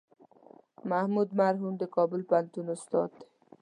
محمود مرهون د کابل پوهنتون استاد دی.